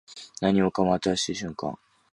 何もかも新しい瞬間